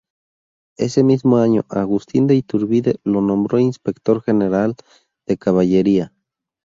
Ese mismo año, Agustín de Iturbide lo nombró inspector general de caballería.